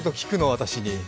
私に。